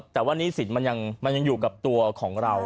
แต่ว่าหนี้สินมันยังอยู่กับตัวของเรา